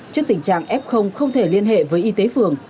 trước tình trạng f không thể liên hệ với y tế phường